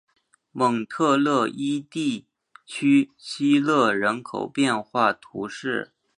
蒙特勒伊地区希勒人口变化图示